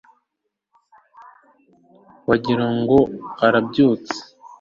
wagira ngo urabyutse